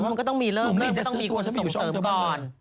ถ้าลูกมันก็ต้องมีเริ่มแล้วก็ต้องมีคนส่งเสริมก่อน